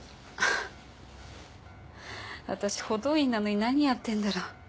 私補導員なのに何やってんだろう。